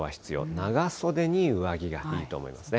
長袖に上着がいいと思いますね。